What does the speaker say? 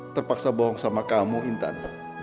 terpaksa bohong sama kamu intan